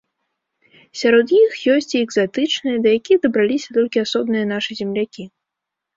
Сярод іх ёсць і экзатычныя, да якіх дабраліся толькі асобныя нашы землякі.